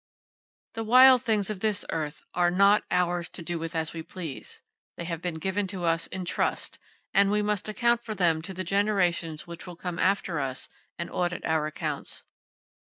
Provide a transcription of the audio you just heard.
The wild things of this earth are not ours, to do with as we please. They have been given to us in trust, and we must account for them to the generations which will come after us and audit our accounts.